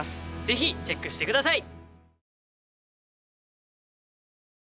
ぜひチェックして下さい！